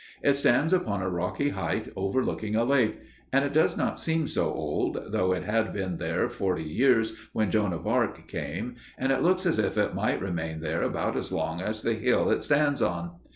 It stands upon a rocky height overlooking a lake, and it does not seem so old, though it had been there forty years when Joan of Arc came, and it looks as if it might remain there about as long as the hill it stands on.